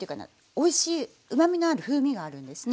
おいしいうまみのある風味があるんですね。